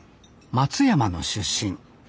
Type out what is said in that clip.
松山の出身。